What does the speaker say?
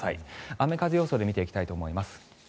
雨風予想で見ていきたいと思います。